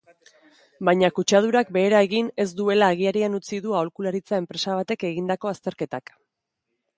Baina kutsadurak behera egin ez duela agerian utzi du aholkularitza-enpresa batek egindako azterketak.